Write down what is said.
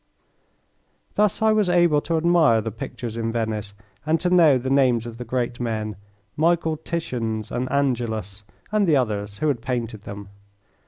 Thus I was able to admire the pictures in Venice, and to know the names of the great men, Michael Titiens, and Angelus, and the others, who had painted them.